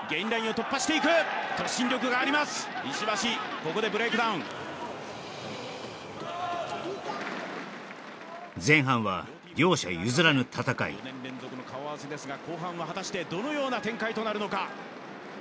ここでブレイクダウン前半は両者譲らぬ戦い４年連続の顔合わせですが後半は果たしてどのような展開となるのか？